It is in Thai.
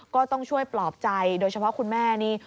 ก็ต้องช่วยปลอบใจโดยเฉพาะคุณแม่นี่